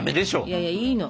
いやいやいいの。